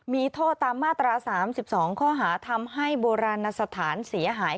มีโทษตามมาตรา๓๒ข้อหาทำให้โบราณสถานเสียหาย